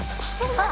あっ！